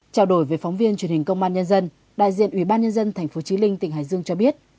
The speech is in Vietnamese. trao đổi với phóng viên truyền hình công an nhân dân đại diện ủy ban nhân dân tp trí linh tỉnh hải dương cho biết